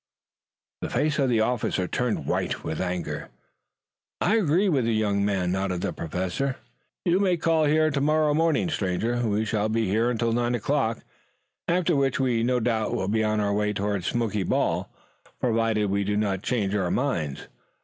The face of the officer turned white with anger. "I agree with the young man," nodded the Professor. "You may call here tomorrow morning, stranger. We shall be here until nine o'clock, after which we shall no doubt be on our way toward Smoky Bald, provided we do not change our minds.